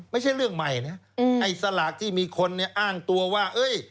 ไม่ใช่เรื่องใหม่นะไอ้สลากที่มีคนเนี่ยอ้างตัวว่า